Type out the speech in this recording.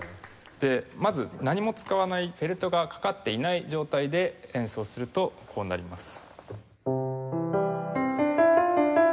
まず何も使わないフェルトがかかっていない状態で演奏するとこうなります。